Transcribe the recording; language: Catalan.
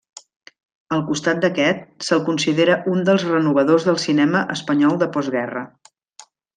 Al costat d'aquest, se'l considera un dels renovadors del cinema espanyol de postguerra.